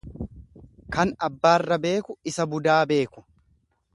Kan abbaarra beeku isa budaa beeku.